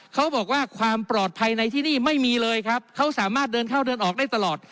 เขาบอกว่าความปลอดภัยในที่นี่ไม่มีเลยครับเขาสามารถเดินเข้าเดินออกได้ตลอด